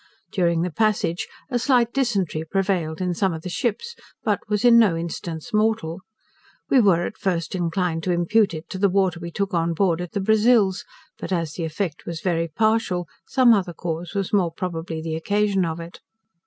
During the passage, a slight dysentery prevailed in some of the ships, but was in no instance mortal. We were at first inclined to impute it to the water we took on board at the Brazils, but as the effect was very partial, some other cause was more probably the occasion of it.